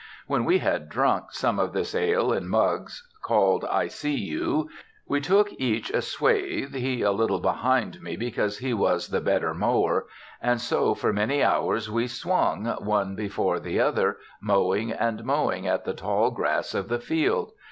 When we had drunk some of this ale in mugs called "I see you," we took each a swathe, he a little behind me because he was the better mower; and so for many hours we swung, one before the other, mowing and mowing at the tall grass of the field.